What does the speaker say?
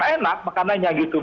enak makanannya gitu